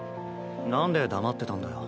なんで黙ってたんだよ。